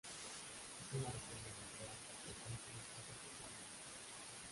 Es una reserva natural, por tanto un espacio protegido.